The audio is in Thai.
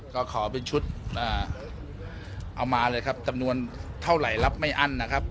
ก็ขอเป็นชุดเอามาเลยครับจำนวนเท่าไหร่รับไม่อั้นนะครับ